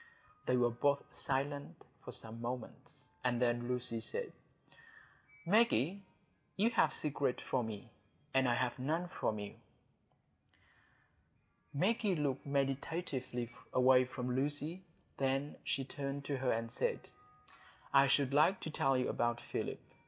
They were both silent for some moments, and then Lucy said,— "Maggie, you have secrets from me, and I have none from you." Maggie looked meditatively away from Lucy. Then she turned to her and said, "I should like to tell you about Philip.